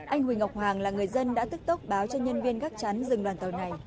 anh huỳnh ngọc hoàng là người dân đã tức tốc báo cho nhân viên gắt chắn dừng đoàn tàu này